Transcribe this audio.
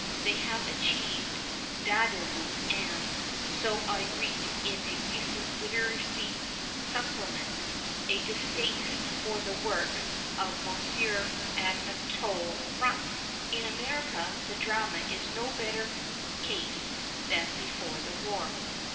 They have achieved Dadaism and, so I read in a recent Literary Supplement, a distaste for the works of M. Anatole France !) In America the drama is in no better case than before the war.